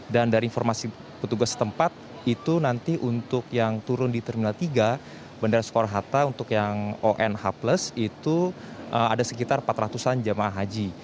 dari informasi petugas tempat itu nanti untuk yang turun di terminal tiga bandara soekarno hatta untuk yang onh plus itu ada sekitar empat ratus an jemaah haji